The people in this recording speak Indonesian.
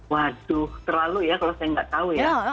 waduh terlalu ya kalau saya nggak tahu ya